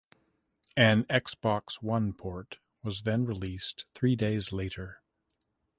An Xbox One port was then released three days later.